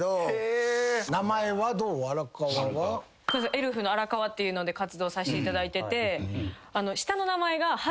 エルフの荒川っていうので活動させていただいてて。